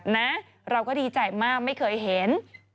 นะเราก็ดีใจมากไม่เคยเห็น